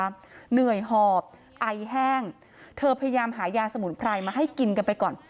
เหนื่อยหอบไอแห้งเธอพยายามหายาสมุนไพรมาให้กินกันไปก่อน